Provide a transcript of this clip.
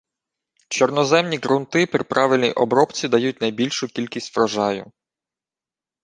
Чорноземні ґрунти при правильній обробці дають найбільшу кількість врожаю